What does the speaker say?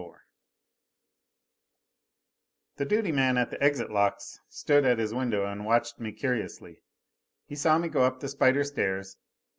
XXIV The duty man at the exit locks stood at his window and watched me curiously. He saw me go up the spider stairs.